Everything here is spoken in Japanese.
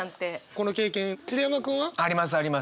この経験桐山君は？ありますあります。